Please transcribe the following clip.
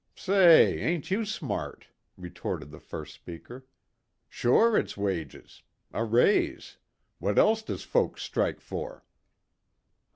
"Say, ain't you smart?" retorted the first speaker. "Sure, it's wages. A raise. What else does folks strike for?"